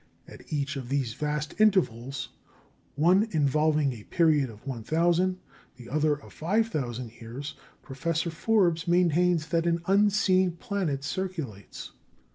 At each of these vast intervals, one involving a period of 1,000, the other of 5,000 years, Professor Forbes maintains that an unseen planet circulates.